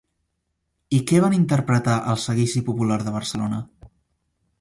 I què van interpretar al Seguici Popular de Barcelona?